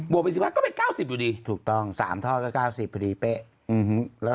วกเป็น๑๕ก็เป็น๙๐อยู่ดีถูกต้อง๓ท่อก็๙๐พอดีเป๊ะ